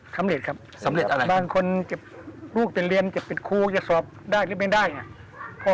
สำเร็จครับบางคนลูกจะเรียนจะเป็นครูจะสอบได้หรือไม่ได้ไง